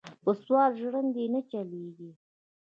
پۀ سوال ژرندې نۀ چلېږي.